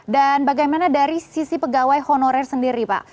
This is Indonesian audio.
dan bagaimana dari sisi pegawai honorer sendiri mbak